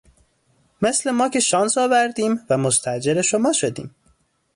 مثل ما که شانس آوردیم و مستأجر شما شدیم